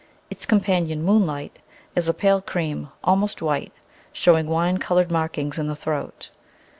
Its companion, Moonlight, is a pale cream, almost white, showing wine coloured markings in the throat.